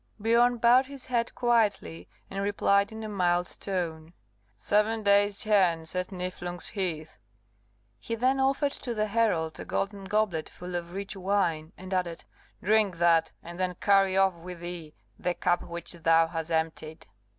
Biorn bowed his head quietly, and replied in a mild tone, "Seven days hence at Niflung's Heath." He then offered to the herald a golden goblet full of rich wine, and added, "Drink that, and then carry off with thee the cup which thou hast emptied."